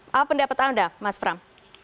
apa pendapat anda mas pram